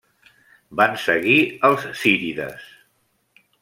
Van seguir els zírides.